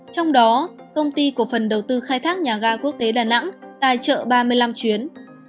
trong đó công ty cổ phần đầu tư khai thác nhà ga quốc tế đà nẵng tài trợ ba mươi năm chuyến